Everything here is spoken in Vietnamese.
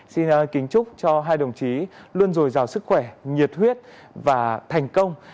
xin kính chúc cho hai đồng chí luôn dồi dào sức khỏe nhiệt huyết và thành công